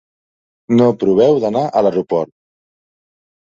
No proveu d'anar a l'aeroport.